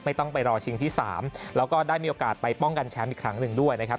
ต้องไปรอชิงที่๓แล้วก็ได้มีโอกาสไปป้องกันแชมป์อีกครั้งหนึ่งด้วยนะครับ